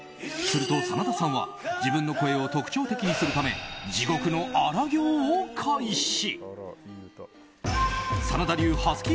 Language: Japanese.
すると真田さんは自分の声を特徴的にするため地獄の荒行を開始。